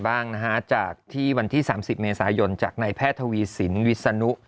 บ้างนะฮะจากที่วันที่๓๐เมษายนจากในแพทย์ทวีสินวิศนุ